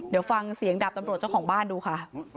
เดี๋ยวฟังเสียงดาบตำรวจเจ้าของบ้านดูค่ะ